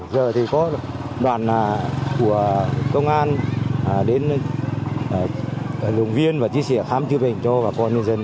giờ thì có đoàn của công an đến đồng viên và chia sẻ khám chữa bệnh cho bà con nhân dân